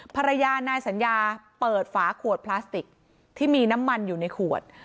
ภรรยานายสัญญาเปิดฝาขวดพลาสติกที่มีน้ำมันอยู่ในขวด